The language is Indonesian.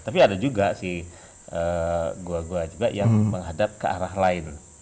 tapi ada juga si gua gua juga yang menghadap ke arah lain